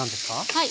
はい。